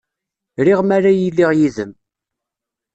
Riɣ mi ara iliɣ yid-m.